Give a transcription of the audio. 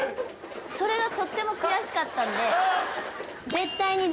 それがとっても悔しかったんで。